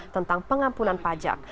tentang pengampunan pajak